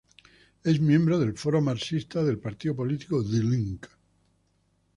Es miembro del Foro Marxista del partido político Die Linke.